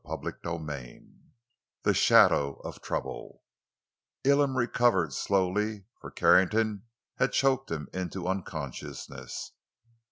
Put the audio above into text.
CHAPTER XIII—THE SHADOW OF TROUBLE Elam recovered slowly, for Carrington had choked him into unconsciousness.